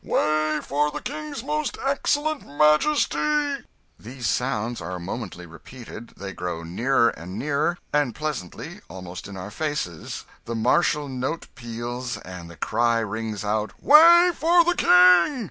Way for the King's most excellent majesty!" These sounds are momently repeated they grow nearer and nearer and presently, almost in our faces, the martial note peals and the cry rings out, "Way for the King!"